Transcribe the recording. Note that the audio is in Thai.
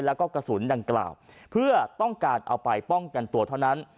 แล้วก็กระสุนดังกล่าวเพื่อต้องการเอาไปป้องกันตัวเท่านั้น